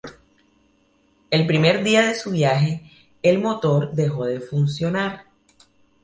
El primer día de su viaje, el motor dejó de funcionar.